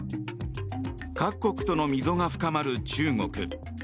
各国との溝が深まる中国。